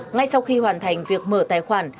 ngay sau khi hoàn thành việc mở tài khoản